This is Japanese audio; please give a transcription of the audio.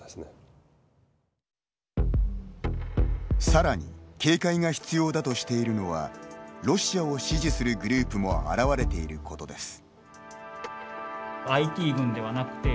さらに警戒が必要だとしているのはロシアを支持するグループも現れていることです。